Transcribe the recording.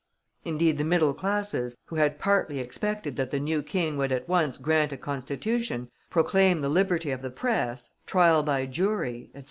Indeed, the middle classes, who had partly expected that the new King would at once grant a Constitution, proclaim the Liberty of the Press, Trial by Jury, etc.